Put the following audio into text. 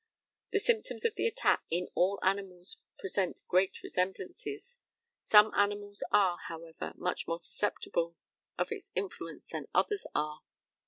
The symptoms of the attack in all animals present great resemblances. Some animals are, however, much more susceptible of its influence than others are.